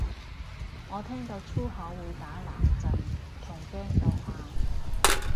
我聽到粗口會打冷震同驚到喊